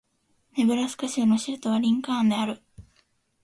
ネブラスカ州の州都はリンカーンである